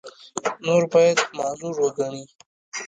نور باید معذور وګڼي.